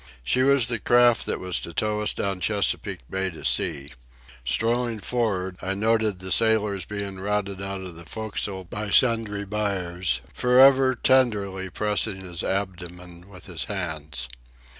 She was the craft that was to tow us down Chesapeake Bay to sea. Strolling for'ard I noted the sailors being routed out of the forecastle by Sundry Buyers, forever tenderly pressing his abdomen with his hands.